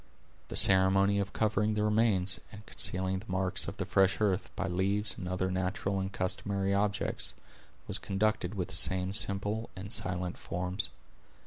The ceremony of covering the remains, and concealing the marks of the fresh earth, by leaves and other natural and customary objects, was conducted with the same simple and silent forms.